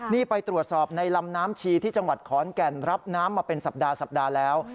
นี่ไปตรวจสอบในลำน้ำชีที่จังหวัดขอนแก่นรับน้ำมาเป็นสัปดาห์สัปดาห์แล้ว